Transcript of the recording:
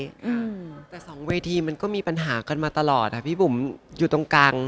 อืมแต่สองเวทีมันก็มีปัญหากันมาตลอดอ่ะพี่บุ๋มอยู่ตรงกลาง